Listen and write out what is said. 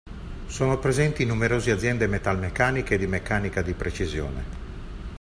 Sono presenti numerosi aziende metalmeccaniche e di meccanica di precisione.